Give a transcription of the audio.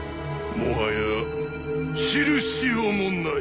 もはや知る必要もない。